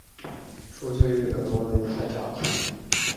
出生于俄国的犹太家庭。